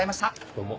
どうも。